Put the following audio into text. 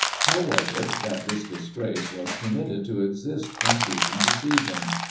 How was it that this disgrace was permitted to exist from season to season ?